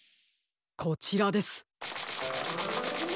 こちらです。